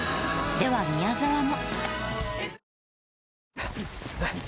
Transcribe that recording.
では宮沢も。